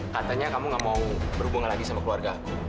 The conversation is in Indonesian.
katanya kamu gak mau berhubungan lagi sama keluarga aku